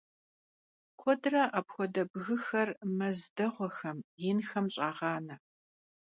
Kuedre apxuede bgıxer mez değuexem, yinxem ş'ağane.